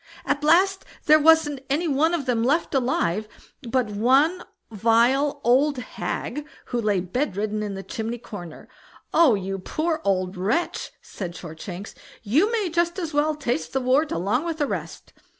At last there wasn't one of them left alive but one vile old hag, who lay bed ridden in the chimney corner. "Oh you poor old wretch", said Shortshanks, "you may just as well taste the wort along with the rest."